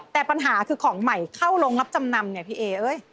แต่ปัญหาคือของใหม่เข้าโรงรับจำนำเนี่ยพี่เอ้ย